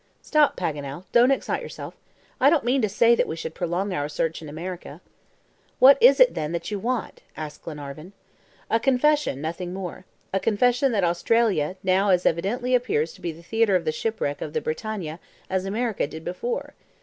"Stop, Paganel, don't excite yourself; I don't mean to say that we should prolong our search in America." "What is it, then, that you want?" asked Glenarvan. "A confession, nothing more. A confession that Australia now as evidently appears to be the theater of the shipwreck of the BRITANNIA as America did before."